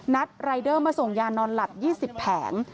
รายเดอร์มาส่งยานอนหลับ๒๐แผง